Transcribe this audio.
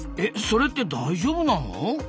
それって大丈夫なの？